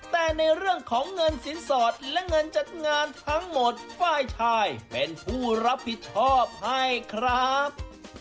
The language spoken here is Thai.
แต่ในเรื่องของเงินสินสอดและเงินจัดงานทั้งหมดฝ่ายชายเป็นผู้รับผิดชอบให้ครับ